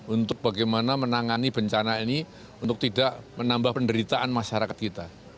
untuk bagaimana menangani bencana ini untuk tidak menambah penderitaan masyarakat kita